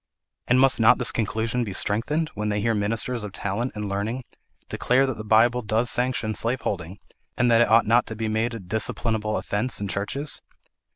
And must not this conclusion be strengthened, when they hear ministers of talent and learning declare that the Bible does sanction slaveholding, and that it ought not to be made a disciplinable offence in churches?